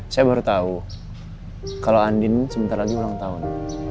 saya baru tahu kalau andin sebentar lagi ulang tahun